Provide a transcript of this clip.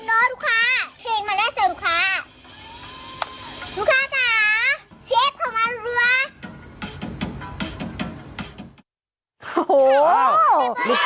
จัดกระบวนพร้อมกัน